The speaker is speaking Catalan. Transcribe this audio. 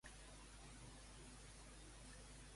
M'he de prendre la pastilla, recorda'm.